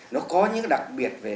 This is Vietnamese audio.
nó có những đặc biệt về